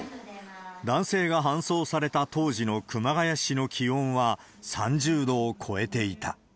男性が搬送された当時の熊谷市の気温は３０度を超えていた。